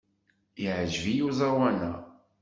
Yeɛjeb-iyi uẓawan-a.